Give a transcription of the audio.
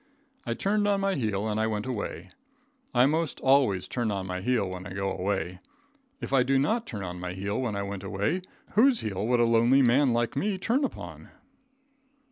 I turned on my heel and I went away. I most always turn on my heel when I go away. If I did not turn on my own heel when I went away, whose heel would a lonely man like me turn upon?